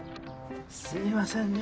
すいませんね。